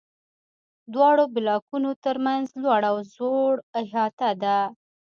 دواړو بلاکونو تر منځ لوړ او ځوړ احاطه ده.